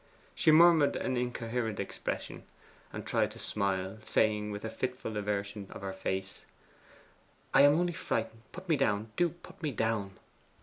She murmured an incoherent expression, and tried to smile; saying, with a fitful aversion of her face, 'I am only frightened. Put me down, do put me down!